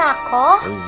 oleh oleh buat aku